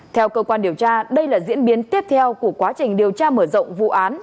theo cơ quan điều tra đây là diễn biến tiếp theo của quá trình điều tra mở rộng vụ án